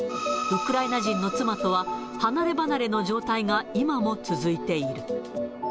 ウクライナ人の妻とは、離れ離れの状態が今も続いている。